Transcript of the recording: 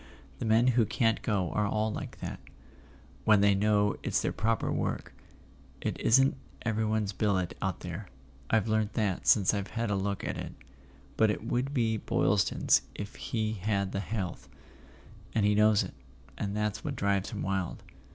The men who can't go are all like that, wdien they know it's their proper work. It isn't everybody's billet out there—I've learnt that since I've had a look at it—but it would be Boylston's if he had the health, and he knows it, and that's what drives him wild."